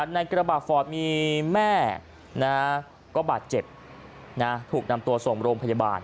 ในกระบะมีแม่ก็บาดเจ็บนะถูกนำตัวต้นโสมโรมพยาบาล